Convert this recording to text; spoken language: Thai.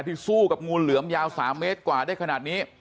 สู้กับงูเหลือมยาว๓เมตรกว่าได้ขนาดนี้